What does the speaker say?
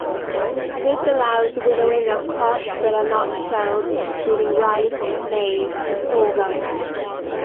This allows winnowing of crops that are not shelled, including rice, maize, and sorghum.